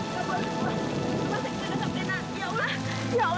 kamu harus bertahan sayang